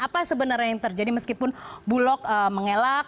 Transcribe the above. apa sebenarnya yang terjadi meskipun bulog mengelak